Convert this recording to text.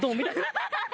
ハハハハ！